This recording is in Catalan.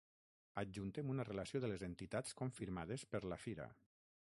Adjuntem una relació de les entitats confirmades per la fira.